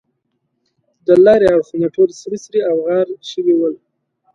د لارې اړخونه ټول سوري سوري او غار شوي ول.